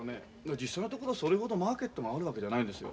実際のところそれほどマーケットがあるわけじゃないんですよ。